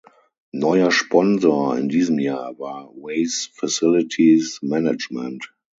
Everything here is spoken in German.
Neuer Sponsor in diesem Jahr war Ways Facilities Management.